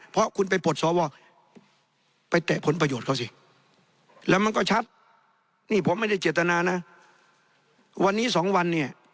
เพราะคุณไปพรชววล